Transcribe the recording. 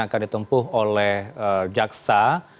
akan ditempuh oleh jaksa